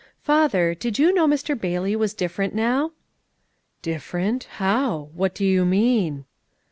"Father, did you know Mr. Bailey was different now?" "Different how? What do you mean?"